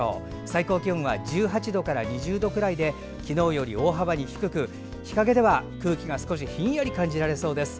最高気温は１８度から２０度くらいで昨日より大幅に低く日陰では空気が少しひんやりと感じられそうです。